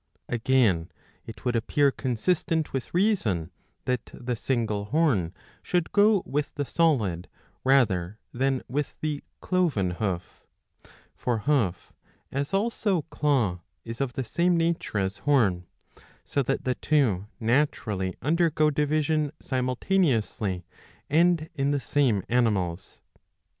Again, it would appear consistent with reason that the single horn should go with the solid rather than with the cloven hoof For hoof, as also claw, is of the same nature as horn ; so that the two naturally undergo division simultaneously and in the 663 a. 62 iii. 2. same animals.